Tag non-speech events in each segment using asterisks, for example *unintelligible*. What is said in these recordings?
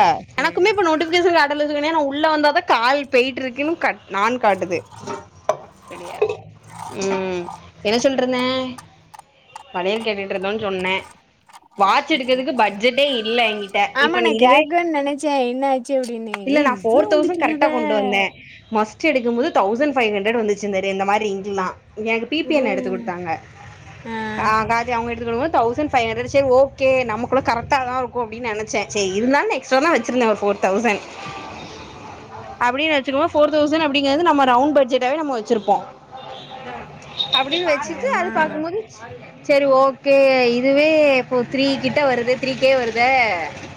அ ம் எனக்குமே இப்ப நோட்டிபிகேஷன் காட்டல சில நேரோ உள்ள வந்தாத கால் போயிட்ருக்குன்னு கட் நான் காட்டுது அப்படியா ம் வளையல் கேட்டுட்ருந்த சொன்னே ம் வாட்ச் ம் எடுக்கறதுக்கு பட்ஜெட்டே இல்ல என்கிட்ட இப்ப நீ இதுவே முழ்கு நெனச்சே என்ன ஆச்சு அப்டின்னு ஏ இல்ல இவ்ளோ வந்துட்டு என்னவே மஸ்ட்டு எடுக்கும்போது தவுசண்ட் ஃபைவ் ஹண்ட்ரட் வந்துச்சு இந்த மாரி ரிங்கேல்லா எனக்கு பிபி அண்ணே எடுத்து குடுத்தாங்க ம் ஆ காது அவ எடுத்துக்குடுக்கும்போ தவுசண்ட் ஃபைவ் ஹண்ரட் சரி ஓகே நமக்கு கூட கரெக்டா தா இருக்கும் அப்டின் நெனச்சே எக்ஸ்ட்ரா தா வச்சுருந்த ஒரு ஃபோர் தவுசண்ட் அப்டின் வெச்சுக்கோ ஃபோர் தவுசண்ட் அப்டிங்கறது நம்ம ரவுண்ட் பட்ஜெட்டாவே நம்ம வச்சிருப்போம் அப்டின் வெச்சிட்டு ஆமா அது பாக்கும்போது செரி ஓகே இதுவே இப்போ த்ரீ கிட்ட வருது த்ரீ கே வருதே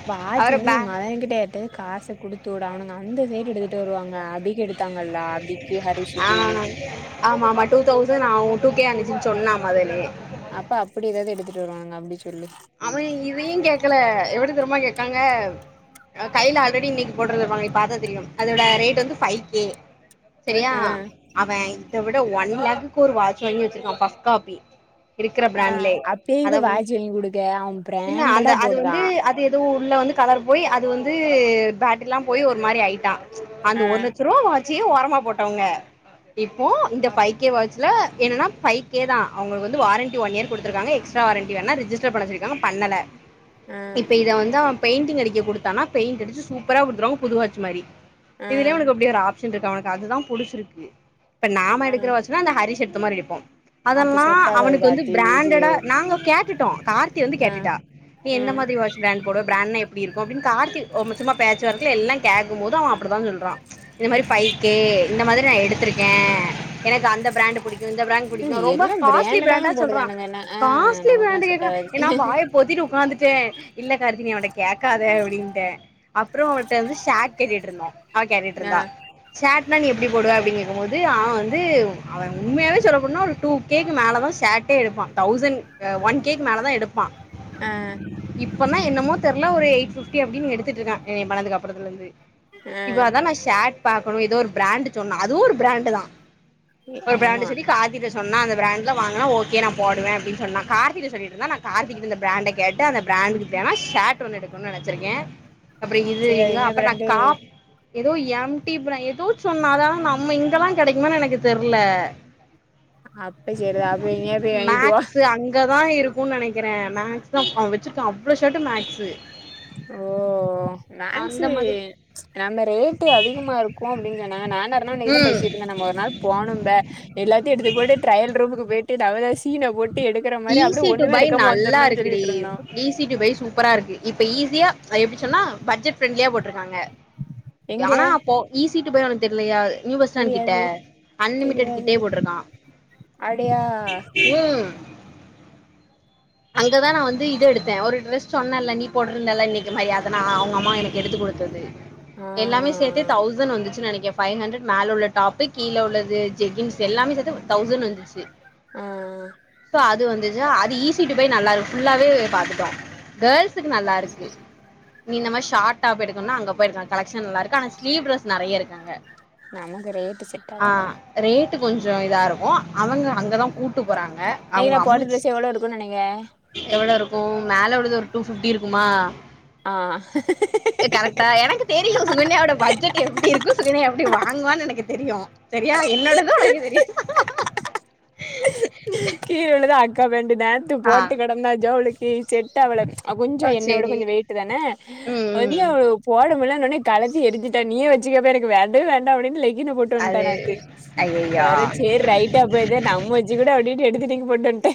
வாட்ச்சு அவரு வந்து நீ பே மய கிட்ட ட்டு காச குடுத்துவுடு அவனுங்க அந்த சைட் எடுத்துட்டு வருவாங்க அபிக்கு எடுத்தாங்கல்ல விக்கி ஆ ஹரீஷிக்கு ஆமா ஆமா டூ தவுசண் ஆவு டூ கே அனுப்ச்சன் சொன்னா மொதல்லயே அப்ப அப்டி எதாவ்து எடுத்துட்டு வருவாங்க அப்டி சொல்லி அவ இதையு கேக்கல எப்டி தெர்மா கேக்காங்க அ கைல ஆல்ரெடி இன்னைக்கு போட்னு வருவாங்க பாத்தா தெரியும் அதோட ரேட் வந்து ஃபை கே சரியா ஆ அவ இத விட ஒன் லேக்குக்கு ஒரு வாட்ச் வாங்கி வச்சிருக்கான் பஸ் காப்பி இருக்கிற பிராண்ட்லே அதாவ்து குடுகாம் என்ன அந்த அது வந்து அது எதோ உள்ள வந்து கலர் போய் அது வந்து பேட்ரி எல்லா போய் ஒரு மாரி ஆய்ட்டா அந்த ஆ ஒரு லட்ச ரூவா வாச்சே ஓரமா போட்டவங்க இப்போ இந்த ஃபை கே வாச்சுல என்னன்னா ஃபை கே தா அவுங்களுக்கு வந்து வாரண்ட்டி ஒன் இயர் குடுத்துருக்காங்க எக்ஸ் ட்டா வாரண்ட்டி வேனா ரிஜிஸ்டர் பண்ண சொல்லிருக்காங்க பண்ணல ஆ பெயிண்டிங் அடிக்க குடுத்தானா பெயிண்ட் அடிச்சி சூப்பரா குடுத்துருவாங்க புது வாட்ச் மாரி ஆ இதுலயே எனக்கு அப்டி ஒரு ஆப் ஷன் இருக்கு அவனுக்கு அதுதா புடிச்சிருக்கு இப்ப நாம ஆ எடுக்கிற வாட்ச்சுன்னா அந்த ஹரிஷ் எடுத்த மாரி எடுப்போ அப்ப அதெல்லாம் செட் ஆகாது அவனுக்கு வந்து கார்த்தி பிராண்டடா விஜய் நாங்க கேட்டுட்டோம் கார்த்தி வந்து ஆ கேட்டுட்டா நீ என்ன ம் மாதிரி வாட்ச் பிராண்ட் போடுவ பிராண்ட்னா எப்டி இருக்கும் அப்டின் கார்த்தி சும்மா பேச்சு வாக் ல எல்லாம் கேக்கமோது அவ அப்டி தா சொல்றா இந்த மாரி ஃபைக்கு இந்த மாரி நா எடுத்திருக்க ஏன்னா இப்ப அந்த பிராண்ட்டு புடிக்கும் இந்த பிராண்ட் ம் பிடிக்கு ரொம்ப எல்லா காஸ்ட்லி பிராண்டடா தா பிராண்டா சொல்றான் போடுதானுங்க என்ன ஆ காஸ்ட்லி நமக்குல்லா பிராண்டு செட் கேக்குறான் ஆகாது பொத்திட்டு உக்காந்துட்டே இல்ல கார்த்தி நீ அவன்ட்ட கேக்காத அப்புடின்ட்ட அப்புறோ அவன்ட்ட வந்து ஷாட் கேட்டிட்ருந்தோ அவன் ஆ கேட்டுட்ருந்தா ஷாட்னா நீ எப்டி போடுவ அப்டின் கேக்குமோது அவன் வந்து அவன் உண்மையாவே சொல்லப்போன்னா ஒரு டூ கேக்கு மேலதான் ஷாட்டே எடுப்பான் தௌசண் அ ஒன் கேக்கு மேலதான் எடுப்பான் அ இப்பந்தா என்னமோ தெர்ல ஒரு எய்ட் ஃபிப்டி அப்டின் எடுத்துட்ருக்கான் என்னிய பண்ணதுக்கப்புறத்துல இர்ந்து ஆ இவன்தா நான் ஷாட் பாக்கணு எதோ ஒரு பிராண்டு் சொன்னா அதுவு ஒரு பிராண்டுதா ஒரு அம்மா பிராண்டு சொல்லி கார்த்திட்ட சொன்னா அந்த பிராண்ட்ல வாங்குனா ஓகே நான் போடுவ அப்டின் சொன்னா கார்த்திட்ட சொல்லி ர்ந்தா நான் கார்த்திகிட்ட அந்த பிராண்ட கேட்டு அந்த பிராண்டுக்கு வேணா ஷர்ட் ஒன்னு எடுக்கணு நெனச்சிருக்கே அப்புறோ இது சரி அது இங்க என்ன அப்புறு நா பிராண்டு காப் எதோ எம் டி இப்புற எதோ சொன்ன அதலா நம்ம இங்கலா கெடைக்குமான் எனக்கு தெர்ல அப்ப செரிதா அது எங்யாது வாங்கிட்டு வா இங்கதா இருக்குன் நெனைக்கிறே நாங்க்ஸ்தா அவன் வச்சிருக்கான் அவ்ளோ ஷாட்டு நாக்ஸு ஓ அந்த நாங்ஸு மாதிரி நம்ம ரேட்டு அதிகமா இருக்கு அப்டின் சொன்னாங்க நானா இருந்த நீதான் ம் பேசிட்ருந்த நம்ம ஒரு நாள் போனும்ப எல்லாத்தியு எடுத்து போட்டு ட்ரையல் ரூமுக்கு போய்ட்டு நம்மதா சீன போட்டு எடு ஈஸி டூ பை நல்லா இருக்குடி இருந்தோ ஈஸ் ஸி டூ பை சூப்பரா இருக்கு இப்ப ஈஸியா அது எப்டி சொன்னா பட்ஜெட் ஃபிரெண்லியா போட்ருக்காங்க எங்க ஆனா அப்போ ஈஸி டூ பை ஒனக்கு தெர்லையா நியூ பஸ்ஸ்டாண் கிட்ட தெரியாது அன்லிமிடட் தெரியாது கிட்டே போட்ருக்கான் அப்டியா அங்கதா நா வந்து இது எடுத்த ஒரு டிரெஸ் சொன்னல நீ போட்ருந்த இன்னைக்கு மாரி அத நான் அவ்ங்க அம்மா எனக்கு எடுத்து குடு த்தது ஆ எல்லாமே சேத்து தௌசண் வந்துச்சு நெனைக்கே ஃபை ஹண்ட்ரட் மேல உள்ள டாப்பு கீழ உள்ளது ஜெக்கின்ஸ் எல்லாமே சேத்து தௌசண் வந்துச்சு ஆ சோ அது வந்துச்சா அது ஈஸ் ஸி டூ பை நல்லா இரு ஃபுல்லாவே பாத்துட்டோ கேள்ஸுக்கு நல்லா இருக்கு நீ இந்த மாதிரி ஷாட்டாப் எடுக்குண்ணா அங்க போய்ர்க்லா கலெக்ஷன் நீங்க நல்லா இருக்கு ஆனா ஸ்லீவ் டிரெஸ் நெறைய இருக்கு அங்க நமக்கு ரேட்டு செட்டாகாதுமா ரேட்டு் கொஞ்சோ இதா இருக்கு அவுங்க அங்கதா கூட்டு போறாங்க அவுங்க அம்மச் சொன்னனேங்க எவுளோ இருக்கு மேல உள்ளது ஒரு டூ ஃபிப்டி இருக்குமா ஆ எ கரெக்ட்டா எனக்கு தெரியு சுகன்யாவோட பட்ஜெட் எப்டி இருக்கு சுகன்யா எப்டி வாங்குவான் எனக்கு தெரியு சரியா என்னோடது ஒனக்கு தெரியு கீழ உள்ளது அக்கா பேண்டு நேத்து ஆ போட்டு கெடந்த ஜோலிக்கு செட்டாவுள அவ் கொஞ்சோ ஓ என்ன விட சேரி கொஞ்சு வெய்ட்டு்தான ம் கொஞ்சோ ம் போட முலன்னோனே கலட்டி எறிஞ்சிட்டா நீயே வச்சுக்கோப எனக்கு வேண்டவே வேண்டா அப்டின்ட்டு லெகின போட் டுவண்ட்டா அது நேத்து ஐயய்யோ பெற சேர் ரைட்டு அப்ப இத நம்ம வச்சுகுடு அப்டின்ட்டு எடுத்து தூக்கி போட்டு வன்ட்ட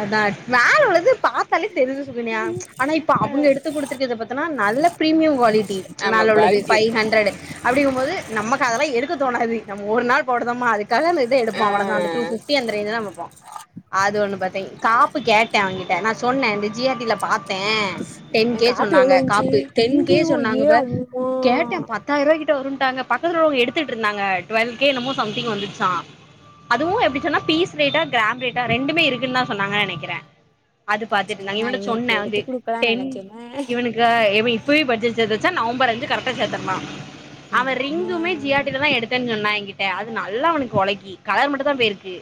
அதா மேல உள்ளது பாத்தாலே தெரிது சுகண்யா ஆனா இப்ப அவுங்க எடுத்து குடுத்துருக்கது பாத்தனா நல்ல பீரிமியம் குவாலிட்டி ஆமா மேல உள்ளது குவாலிட்டி ஃபை இருக்கு ஹண்ட்ரடு அப்டிங்கும்போது நமக்கு அதெல்லா எடுக்க தோணாது நம்ம ஒரு நாள் போடுதாமா அதுக்காக இந்த இது எடுப்போ அவளதா அந்த டூ ஆ ஃபிஃப்டி அந்த ரேன்ஞ்தா பாப்போ அது ஒன்னு பாத் காப்பு கேட்டே அவங்கிட்ட நா சொன்னே இந்த ஜி ஆர் டி ல பாத்தே டென் கே எனக்கு ஆப் சொன்னாங்க எவ்ளோ இருந்துச்சு காப்பு டென் கே ஓ ஏ சொன்னாங்க ப அம்மா கேட்டே பத்தாயிர்ரூவாகிட்ட வருன்ட்டாங்க பக்கத்துல உள்ளவ்ங்க எடுத்துக்கிட்ருந்தாங்க டுவெல் கே என்னமோ சம்திங் வந்துச்சா அதுவு எப்டி சொன்னா பீஸ் ரேட்டா கிராம் ரேட்டா ரெண்டுமே இருக்குன் தா சொன்னாங்க நெனைக்கிறே அது சரி பாத்துட்ருந்தாங்க நா இவன்ட இவனுக்கு சொன்னே வந்து எடுத்து குடுக்கலானு டென் நெனைச்சேன்னா இவனுக்கா இவெ இப்பவே பட்ஜெட் சேத்து வெச்சா நவம்பர் அஞ்சு கரெக்டா சேத்துர்லா அவெ அம்மா ரிங்குமே ஜி ஆர் டி ல தா எடுத்தேன் சொன்னா எங்கிட் ட அது நல்லா அவனுக்கு ஒழக்கி கலர் மட்டு தா போயிருக்கு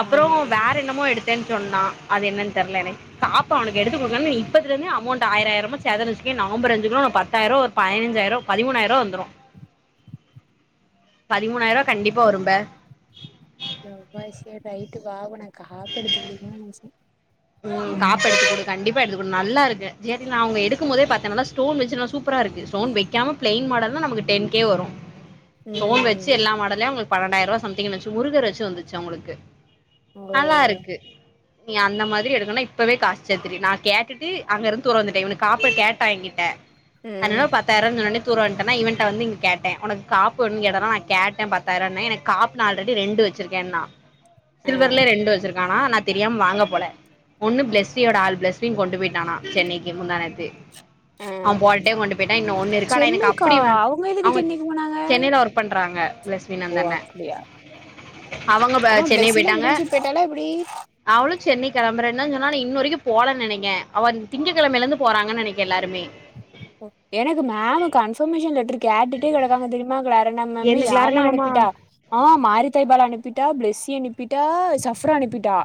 அப்பறோ ஆமா வேற என்னமோ எடுத் தேன் சொன்னா அது என்னன் தெர்ல எனக்கு காப்பு அவனுக்கு எடுத்து குடுக்லால நீ இப்பத்துலருந்தே அமௌண்ட் ஆயிர ஆயிரமா சேத்தனு வச்சுக்கயே நவம்பர் அஞ்சுகுள்ள ஒனக்கு பத்தாயிரோ ஒரு பதினஞ்சாயிரோ பதிமூனாய்ரூவா வந்துரு பதிமூணாயிரூவா கண்டிப்பா வரும்ப செவ்வாய் சேர் ரைட்டு வா ஒனக்கு காப்பு எடுத்து குடுக்கனுன் நெனச்சே ம் காப்பெடுத்துக் குடு கண்டிப்பா எடுத்து குடு நல்லா இருக்கு ஜி ஆர் டி நா அவ்ங்க எடுக்கும்போதே பாத்தே நல்லா ஸ்டோன் வெச்சு நல்லா சூப் ப்பரா இருக்கு ஸ்டோன் வெக்காம ப்ளைன் மாடல்னா நமக்கு டென் கே வரு ஸ்டோன் வெச்சு ம் எல்லா மாடல்லயு அவ்களுக்கு பன்னெண்டாயிரூவா சம்திங் வந்துச்சு முருகர் வெச்சு வந்துச்சு அவ்ங்களுக்கு ஓ அதா இருக்கு நீ அந்த மாத் திரி எடுக்கன்னா இப்பவே காசு சேத்துரு நா கேட்டுட்டு அங்கருந்து தூர வந்துட்டே இவனுக்கு காப்பு கேட்டா எங்கிட்ட ம் அதனால பாத் தாயிரூவான் சொன்னோனே தூர வந்ட்டனா இவன்ட்ட வந்து இங்க கேட்டே ஒனக்கு காப்பு வேனுன் கேட்டனா நா கேட்டே பத்தாயிரூவான்னே எனக் காப்பு நா ஆல்ரெடி ரெண்டு வெச்சிருக்கேன்னா ஆ சில்வர்லே ரெண்டு வெச்சிருக்கானா நா தெரியாம வாங்க போல ஒன்னு பிளஸ்வியோட ஆள் பிளஸ்வின் கொண்டு போய்ட்டானா சென்னைக்கு முந்தானேத்து ஆ அவ போன டைம் கொண்டு போய்ட்டா இன்னு ஒன்னு இருக்கு ஆனா எனக்கு சென்னைக்கா அப்டி வே அவங்க எதுக்கு அவ்ங்க சென்னைக்கு போனாங்க சென்னைல ஒர்க் பண்றாங்க பிளஸ் ஓ அப்டியா அவங்க ப ஆமா சென்னை பிளஸ்விலா போயிட்டாங்க இன்டென்ஷிப் போய்ட்டாலா எப்டி அவளு சென்னைக் கெளம்புறேன் தா சொன்னா ஆனா இன்ன வரைக்கு போலன் நெனைக்கே அவ திங்கக்கெழமைலருந்து போறாங்கன் நெனைக்கே எல்லாருமே எனக்கு மேமு கன்ஃபர்மேஷன் லெட்ரு கேட்டுட்டே கெடக்காங்க தெரியுமா க்லாரன்டா மேமு எனக்கு யார்லா லாரண்டமாமா அனுப்பிட்டா ஆ மாரிதய்பாலா அனுப்பிட்டா பிளெஸ்ஸி அனுப்பிட்டா சஃப்ரா அனுப்பிட்டா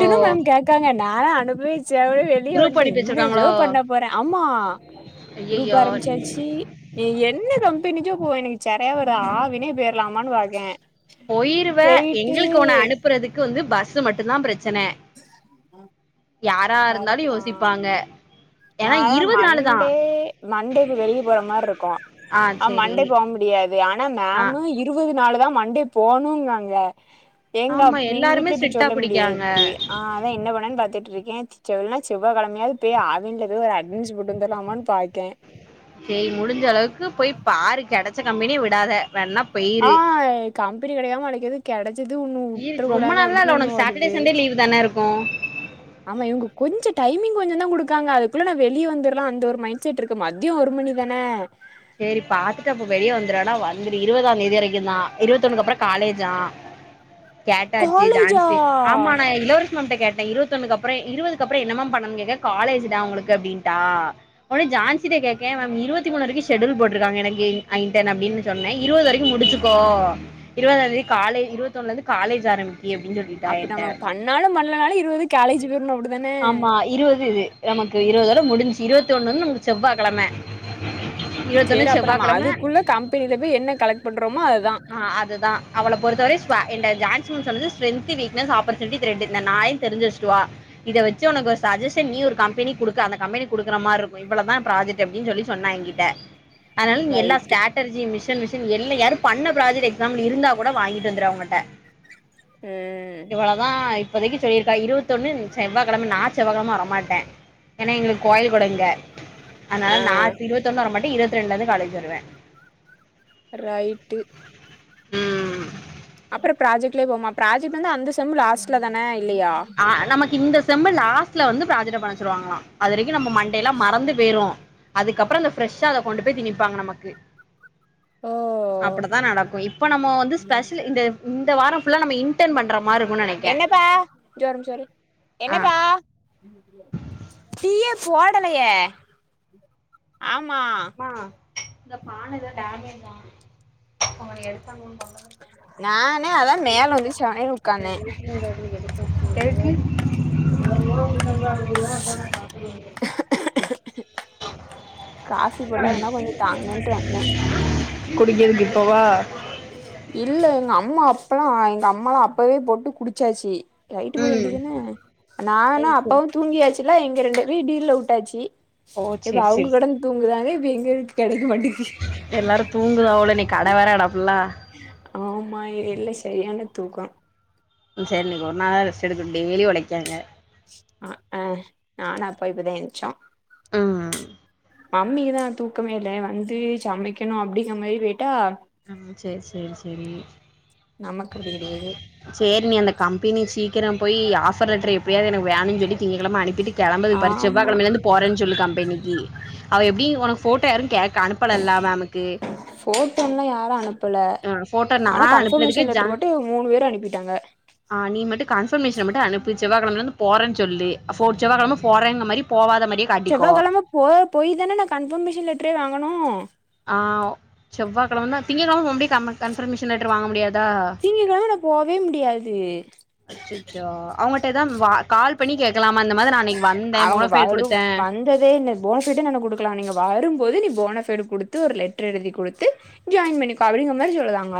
ஓ மேம் கேக்காங்க நாலா அனுப்பி வேச்சாவே வெளிய குரூப் வந்ட்டு அனுப்பி என்ன ஜோ வச்சிருக்காங்களோ பண்ண போற ஆமா குரூப் ஐயையோ ஆரம்ச்சாச்சு இ நீ என்ன கம்பெனிக்கோ போ எனக்கு செரியா வரு ஆவினே போயிர்லாமான் பாக்கே போயிருவ போயிட்டு எங்களுக்கு ஒன்ன அனுப்புறதுக்கு வந்து பஸ்ஸு மட்டுந்தா பிரச்சன யாரா இருந்தாலு யோசிப்பாங்க நா ஏன்னா அதா இருவது நாலு தான் மண்டே மண்டே இப்ப வெளிய போற மார்ருக்கு ஆ மண்டே போக முடியாது ஆனா ஆ மேமு இர் இருவது நாலு தா மண்டே போனூங்காங்க ஆமா எங்கப் எங்க எல்லாருமே வீட்ல இப்ப ஸ்ட்ரிக்டா சொல்ல பிடிக்கிறாங்க முடியாது ஆ அதா என்ன பண்ணன் பாத்துட்ருக்கே சொன்னா செவ்வா கெழமையாது போய் ஆவின்ல போய் ஒரு அட்னன்ஸ் போட்டுவந்துர்லாமான் பாக்கே சேரி முடிஞ்ச அளவுக்கு போய் பாரு கெடைச்ச கம்பெனிய விடாத வேறென்னப் ஆனா கம்பெனி கெடைக்காம அன்னைக்கு இது கெடச்சது உன்னு உட்ற கூடாது அப்டினு ஒன்னு ஓடு டர்டே சண்டே லீவு தான இருக் ஆ ஆமா இவ்ங்க கொஞ்ச டைமிங் கொஞ்ச தா குடுக்காங்க அதுக்குள்ள நா வெளிய வந்துர்லா அந்த ஒரு மைண்ட் ச்சிட்டுருக்கு மத்யோ ஒரு மணிதான செரி பாத்துட்டு அப்ப வெளிய வந்துறாலா வந்துரு இருபதாந்தேதி வரைக்கு தா இருபத்தொண்ணுக்கு அப்றோ காலேஜா கேட்டாச்சு காலேஜா ஜான்சி ஆமா நா இளவர மேம்ட கேட்டே இருவத்தொன்னுக்கப்புறோ இருவதுக்குப்புறோ என்ன மேம் பண்னூனு கேக்கே காலேஜ் டா உங்களுக்கு அப்டீன்டா ஒன்னே ஜான்சிட கேக்கே மேம் இருவத்தி மூனு வரைக்கு ஷெட்யூல் போட்ருக்காங்க எனக்கு ஐன்டென் அப்டினு சொன்னே இருவது வரைக்கு முடிச்சுக்கோ இருவதாந்தேதி காலே இருவத்தி ஒன்னுல இருந்து காலேஜ் ஆரம்பி நீ எப்டின்னு சொல்லித்தா அப்ப நம்ம என்ட பண்ணாலு பண்ணலனாலு இருவது காலேஜ் போயிரணு அப்டிதானே ஆமா *unintelligible* நமக்கு இருபது வர முடிஞ்சு இருபத்தி ஒண்ணு நமக்கு செவ்வா கெழம சேரி இருவத்தொன்னு அப்ப செவ்வா நம்ம கெழம அதுக்குள்ள கம்பெனில போய் என்ன கலெக்ட் பண்றோமோ அதுதா அ அதுதா அவள பொருத்தவரை என்ட ஜான்சி சொன்னது ஸ்பென்டிவீக்னஸ் ஆப்பர்சுனிடி *unintelligible* தெரிஞ்சு வச்சுட்டு வா இத வச்சு உனக்கு ஒரு சஜஷன் நீ ஒரு கம்பெனி கொடுக்க அந்த கம்பெனி குடுக்கற மாரி இருக் இவ்ளதா ப்ராஜெட் எப்டினு சொல்லி சொன்னா எங்கிட்ட அதனால நீ எல்லா ரைட்டு ஸ்ட்ராட்டஜி மிஷன் மிஷன் எல்ல யாரு பண்ண ப்ராஜெக்ட் எக்ஸாம்ல இருந்தா கூட வாங்கிட்டு வந்துரு அவங்கட்ட ம் இவளோதா இப்பதைக்கு சொல்லிருக்கா இருபத்தொன்னு செவ்வாகிழம நா செவ்வாகிழம வரமாட்டே ஏன்னா எங்களுக்கு கோயில் கொடுங்க அதனால ஆ நா இருபத்தொண்ணு வர மாட்டே இருபத்தி ரெண்டு தா காலேஜ் வருவே ரைட்டு ம் அப்ரோ ப்ராஜெக்ட்ல போமா ப்ராஜெக்ட் வந்து அந்த செம் லாஸ்டுல தான இல்லையா அ நமக்கு இந்த செம்மு லாஸ்ட்ல வந்து ப்ராஜெக்ட்ட பண்ணசொல்லுவாங்களா அதுவரைக்கு நம்ம மண்டேல்லா மறந்து வெறு அதுக்கப்புரோ அந்த ப்ரெஷ்ஷா அத கொண்டு போய் திணிப்பாங்க நமக்கு ஓ அப்படி தா நடக்கு இப்ப நம்ம வந்து ஸ்பெஷலு இந்த வார புல்ல நம்ம *unintelligible* பண்ற மாரி இருக்கு நெனக்கே ஜோரம் ஜோரி என்னப்பா டீயே போடலயே ஆமா ஆ இந்த பான எத டேமேஜா அவங்க எடுத்தாங்கோ நானே அ தா மேல வந்து செவனேனு உக்காந்தே எதுக்கு *inaudible* காஃபி போட்டா வேணா கொஞ்ச தாங்கன்ட்டு வந்தே குடிக்கிறதுக்கு இப்பவா இல்ல எங்க அம்மா அப்பல்லா எங்க அம்மலா அப்பவே போட்டு குடிச்சாச்சு லைட் போட ம் வேண்டியது தான நானு அது சரி அப்பாவு தூங்கியாச்சுல்லா எங்க ரெண்டு *unintelligible* டீல்ல விட்டாச்சு ஓ இப்ப சரி அவங்க சரி சரி கடன் தூங்குதானே இப்ப எங்களு கெடைக்க மாட்டேங் *unintelligible* எல்லாரு தூங்குரவோளே இன்னைக்கு கட வேற அடப்புல ஆமா எல்ல சரியான தூக்கோ சரி இன்னைக்கி ஒரு நாளவது ரெஸ்ட் எடுக்கட் டெய்லி ஒழைக்காக ஆ அ நானு அப்பாவு இப்போதே எந்ச்சோ ம் மம்மி தா தூக்கமே இல்ல வந்து சமைக்கணு அப்படிங்கிற மாரி வெ டா ம் சேரி சேரி சேரி நமக்கு அப்டி கெடயாது சேரி நீ அந்த கம்பெனி சீக்கிரம் போய் ஆஃபர் லெட்டர் எப்படியாவது எனக்கு வேணு சொல்லி திங்ககிழம அனுப்பிட்டு கெளம்புது பாரு ஆமா செவ்வாகெழமயிலந்து போறேனு சொல்லு கம்பெனிக்கு அவ எப்டி உனக்கு ஃபோட்டா யாரு கேக் கே அனுப் அனுப்பலல்ல மேமுக்கு ஃபோட்டோல்லா யாரு அனுப்பல அ ஃபோட்டோ நா ஆனா அனுப்புனதுக்கு கன்ஃபர்மேஷன் லெட்டர் மட்டு மூணு பேரு அனுப்பிட்டாங்க ஆஹ் நீ மட்டு கன்பர்மேஷன் மட்டு அனுப்பு செவ்வாகெழமயிலந்து போறேனு சொல்லு ஃபோ செவ்வாகெழமயிலந்து போறேங்க மாரி போவாத மாரியே காட்டிக்கோ செவ்வாகெழம போய் போய் தானே நா கன்ஃபர்மேஷன் லெட்டரே வாங்கணு ஆஹ் செவ்வாகிழம திங்ககிழம மறுபுடி கன்ஃபர்மேஷன் லெட்டர் வாங்க முடியாது திங்க கிழம நா போவே முடியாது அச்சச்சோ அவங்கட்ட எதா கால் பண்ணி கேட்கலாமா அந்த மாரி நா அன்னைக்கு வந்தே போனஃபைட் கொடுத்தே வர்ரதே இல்ல போனஃபைடே நா இன்னு கொடுக்கலா நீங்க வரும்போது நீ போனஃபைட கொடுத்து ஒரு லெட்ரு எழுதி கொடுத்து ஜாயின் பண்ணிக்கோ அப்டிங்கிற மாரி சொல்லுதாங்க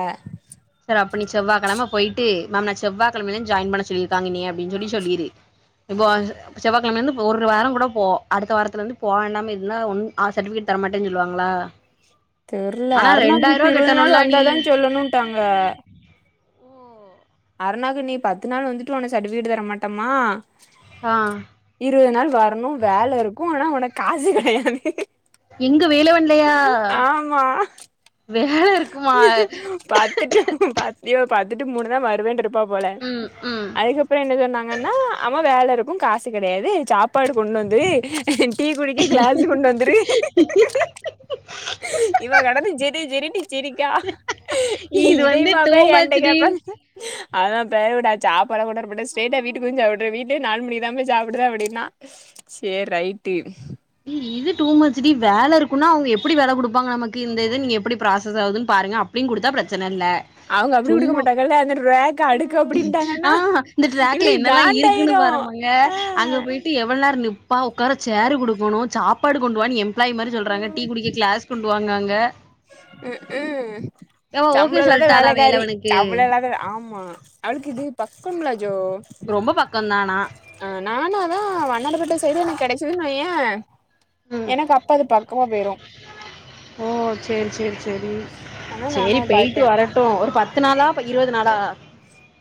சர் அப்ப நீ செவ்வா கழம போய்ட்டு மேம் நா செவ்வாகிழமைல ஜாயின் பண்ண சொல்லிருக்காங்க எனிய அப்டின்னு சொல்லி சொல்லிரு இப வாச்சு செவ்வாகிழமலருந்து ஒரு வாரோ கூட போ அடுத்த வாரத்ல இருந்து போ வேண்டாம இருனா ஒன் ஆ சர்டிபிகேட் தரமாட்டேனு சொல்லுவாங்ளா தெர்ல அருணாக்கு இப்ப இருபது நாள் கட்டணும்ல நீ வந்தாதா சொல்லணுன்டாங்க ஓ! அர்ணாக்கு நீ பத்து நாள் வந்துட்டு உன்ன சட்டிஃபிகேட்டு தர மாட்டேமா ஆஹ் இருவது நாள் வரணு வேல இருக்கு ஆனா உனக்கு காசு கிடையாது எங்க வேலவன்லயா ஆமா வேல இருக்குமா த்துட்டு பாத்துடியோ பாத்துட்டு மூணு தா வருவேன்ட்ருக்கு ப்பா போல ம் ம் அதுக்கப்புறோ என்ன சொன்னாங்கன்னா அவா வேல இருக் க்கும் காசு கிடையாது சாப்பாடு கொண்டு வந்து டீ குடிக்க கிளாசு கொண்டு வந்துரு இவா கடந்து சிரி சிரி சிரிக்கா இது இதே வந்து மாரி டூ தா என்ட மச் டி கேப்பாங்க அதா பிறவு நா சாபாடே கொண்ட வரமாட்டே ஸ்ட்ரெய்ட்டா வீட்டுக்கு வந்து சாப்ட்ருவே வீட்லயே நாலு மணிக்கு தாம்பே சாப்பிடுவே அப்டின்னா சேர் ரைட்டு இது டூ மச் டி வேல இருக்குன்னா அவங்க எப்டி வேல கொடுப்பாங்க நமக்கு இந்த இத நீங்க எப்படி ப்ராசஸ் ஆகுதுனு பாருங்க அப் ப்டின்னு கொடுத்தா பிரச்சன இல்ல அவங்க அப்டி குடுக்க சும்மா மாட்டாங்கல்ல அந்த ரேக் அடுக்கு ஆ அப்டின்ட்டாங்கன்னா இந்த டிராக்ல இவளுக்கு என்னலா இருக்குன்னு காண்டாயிரு பாரும்மா ல்ல அங்க ஆ போய்ட்டு எவ் எவ்ளோ நேரோ நிப்பா உக்கார சேரு குடுக்கணு சாப்பாடு கொண்டு வானு எம்ப்ளாய் மாரி சொல்றாங்க டீ குடிக்க கிளாஸ் சொல்லுவாங்க அங்க உம் உம் அவ ஓகே சம்பளோ இல்லாத சொல்ட்டாளா வேலக்காரி வேலவனுக்கு சம்பளோ இல்லாத ஆமா அவளுக்கு இது பக்கம்ள ஜோ ரொம்ப பக்கதா ஆனா ஆ நானு அதா வண்ணாரபேட்ட சைடே எனக்கு கிடச்சுருனு வய்யே உம் ஓ சேரி சேரி சேரி அதா நானு சேரி அத போய்ட்டு பாக்கே வரட்டு ஒரு பத்து நாளா இருவது நாளா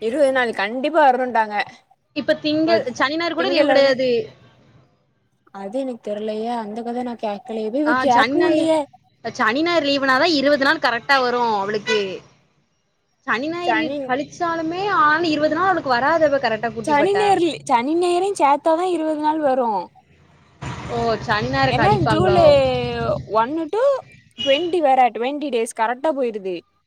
இருவது நாலு கண்டிப்பா வரணுன்ட்டாங்க இப்ப திங்கள் சனி ஞாயிறு கூட லீவ் கிடையாது அது எனக்கு தெர்லயே அந்த கத நா கேக் ஆ சன் ஞாயிர் சனி ஞாயிறு லீவுனாதா இருவது நாள் கரெக்டா வரு அவளுக்கு சனி ஞாயிர் லீவ் கழிச்சாலுமே ஆனாலு இருவது நாள் அவளுக்கு வராது அவ கரெட் சனி ஞாயிர் லீ சனி ஞாயிரயு சேத்தாதா இருவது நாள் வரு ஓஹ் என்ன ஜூலே ஓ ஒன்னு டூ டுவெண்ட்டி வேற டுவெண்ட்டி டேஸ் கரெக்டா போயிருது